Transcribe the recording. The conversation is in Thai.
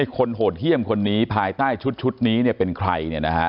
โหดเยี่ยมคนนี้ภายใต้ชุดนี้เป็นใคร